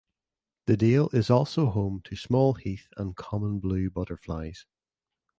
The dale is also home to small heath and common blue butterflies.